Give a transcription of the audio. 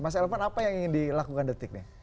mas elvan apa yang ingin dilakukan detik nih